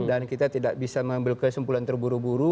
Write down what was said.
dan kita tidak bisa mengambil kesimpulan terburu buru